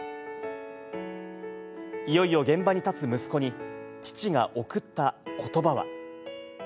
いよいよ現場に立つ息子に、父が送ったことばは。